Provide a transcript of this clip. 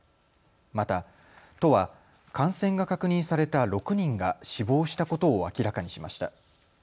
また、都は感染が確認された６人が死亡したことを明らかにしました。